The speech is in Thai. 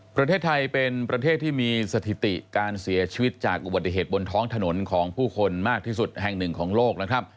ประเทศไทยเป็นประเทศที่มีสถิติการเสียชีวิตจากอุบัติเหตุบนท้องถนนของผู้คนมากที่สุดแห่งหนึ่งของโลกนะครับ